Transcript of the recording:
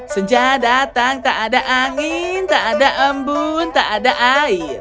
sejak datang tak ada angin tak ada embun tak ada air